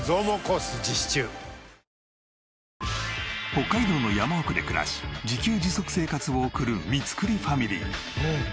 北海道の山奥で暮らし自給自足生活を送る三栗ファミリー。